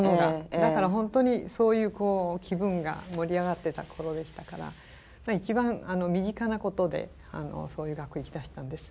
だから本当にそういう気分が盛り上がってた頃でしたから一番身近なことでそういう学校行きだしたんです。